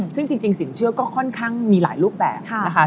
ซึ่งจริงสินเชื่อก็ค่อนข้างมีหลายรูปแบบนะคะ